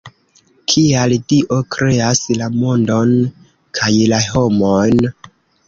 Kial Dio kreas la mondon kaj la homon?